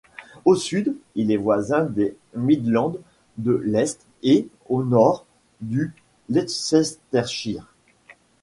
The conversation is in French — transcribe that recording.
Au sud, il est voisin des Midlands de l'Est et, au nord, du Leicestershire.